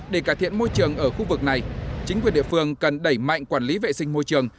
để cải thiện môi trường ở khu vực này chính quyền địa phương cần đẩy mạnh quản lý vệ sinh môi trường